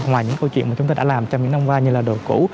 ngoài những câu chuyện mà chúng ta đã làm trong những năm qua như là đồ cũ